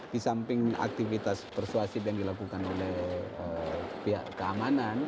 disamping aktivitas persuasif yang dilakukan oleh pihak keamanan